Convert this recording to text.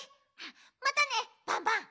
またねバンバン。